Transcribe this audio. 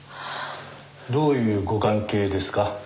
どういうご関係ですか？